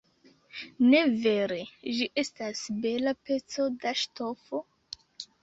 Ne vere, ĝi estas bela peco da ŝtofo?